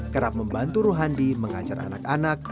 kerap membantu ruhandi mengajar anak anak